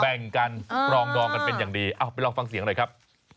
แบ่งกันปรองดองกันเป็นอย่างดีเอาไปลองฟังเสียงหน่อยครับ